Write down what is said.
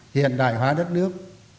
hiện đại hóa đất nước